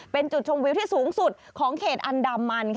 เป็นจุดชมวิวที่สูงสุดของเขตอันดามัน